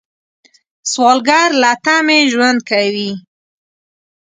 سوالګر له تمې ژوند کوي